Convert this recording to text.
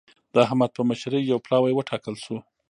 د احمد په مشرۍ يو پلاوی وټاکل شو.